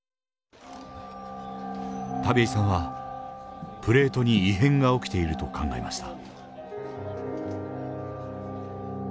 田部井さんはプレートに異変が起きていると考えました。